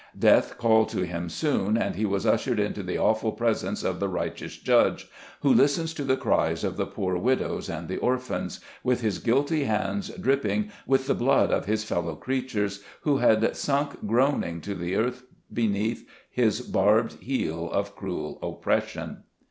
Death called to him soon, and he was ushered into the awful presence of the righteous Judge (who listens to the cries of the poor widows, and the orphans), with his guilty hands dripping with the blood of his fellow creatures, who had sunk groan ing to the earth beneath his barbed heel of cruel oppression.